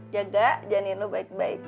jaga janin lo baik baik